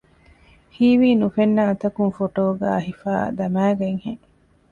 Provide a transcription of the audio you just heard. ހީވީ ނުފެންނަ އަތަކުން ފޮޓޯގައި ހިފައި ދަމައިގަތްހެން